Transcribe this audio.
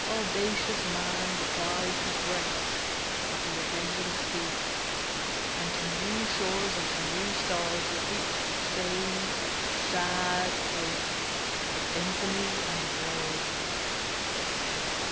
Audacious man Defies the threats of the avenging sea, And to new shores and to new stars repeats The same sad tale of infamy and woe.